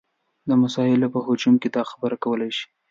د مسایلو په هجوم کې دا خبره کولی شي.